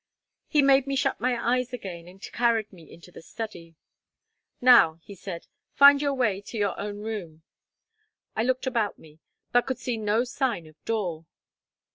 He made me shut my eyes again, and carried me into the study. "Now," he said, "find your way to your own room." I looked about me, but could see no sign of door.